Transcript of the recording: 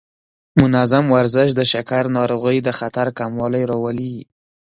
منظم ورزش د شکر ناروغۍ د خطر کموالی راولي.